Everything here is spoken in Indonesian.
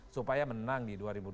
supaya menang di dua ribu dua puluh